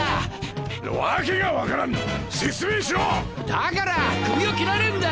だから首を切られるんだ！